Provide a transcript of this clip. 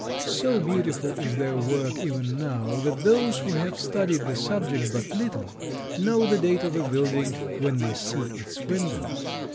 So beautiful is their work even now that those who have studied the subject but little know the date of a building when they see its windows.